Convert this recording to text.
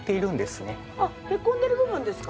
へこんでいる部分ですか？